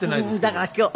だから今日。